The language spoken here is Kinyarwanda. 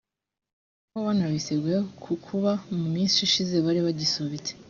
aho banabiseguye ku kuba mu minsi ishize bari bagisubitse